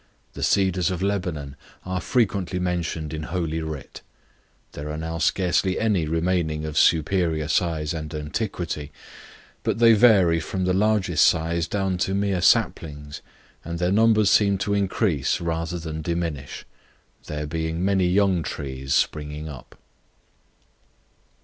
The "Cedars of Lebanon" are frequently mentioned in Holy Writ. There are now scarcely any remaining of superior size and antiquity, but they vary from the largest size down to mere saplings; and their numbers seem to increase rather than diminish, there being many young trees springing up.